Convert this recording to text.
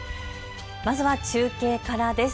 まずは中継からです。